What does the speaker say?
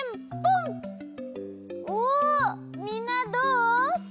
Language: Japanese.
おみんなどう？